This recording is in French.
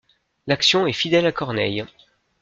L'action est fidèle à Corneille.